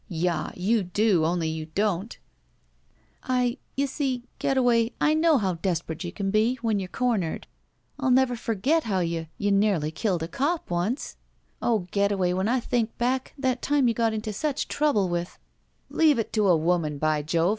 Yah, you do, only you don't!" '' I — You see — Getaway — I know how desperate you can be — ^when you're cornered. I'll never forget how you — ^you nearly killed a cop — once! Oh, Getaway, when I think back, that time you got into such trouble with —" "Leave it to a woman, by Jove!